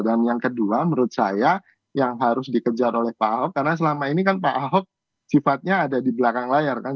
dan yang kedua menurut saya yang harus dikejar oleh pak ahok karena selama ini kan pak ahok sifatnya ada di belakang layar kan